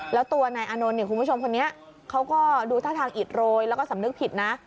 แล้วตัวนายอานนท์เนี่ยคุณผู้ชมคนนี้เขาก็ดูท่าทางอิดโรยแล้วก็สำนึกผิดนะ